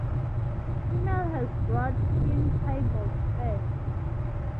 Female has broad hind tibial spur.